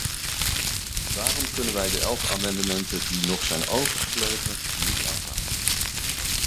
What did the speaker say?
Daarom kunnen wij de elf amendementen die nog zijn overgebleven, niet aanvaarden.